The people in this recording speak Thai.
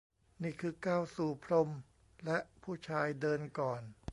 นี่คือก้าวสู่พรมและผู้ชายเดินก่อน